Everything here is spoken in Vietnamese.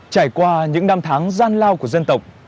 trải qua những năm tháng gian lao của dân tộc